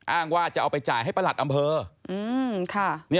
อ้างว่าจะเอาไปจ่ายให้ประหลัดอำเภอ